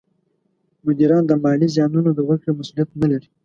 مدیران د مالي زیانونو د ورکړې مسولیت نه لري.